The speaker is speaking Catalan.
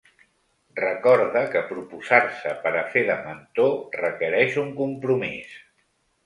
Recorda que proposar-se per a fer de mentor requereix un compromís.